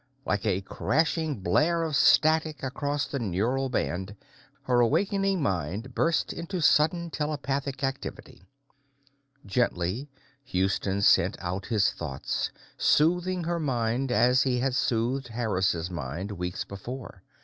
Like a crashing blare of static across the neural band, her wakening mind burst into sudden telepathic activity. Gently, Houston sent out his thoughts, soothing her mind as he had soothed Harris's mind weeks before.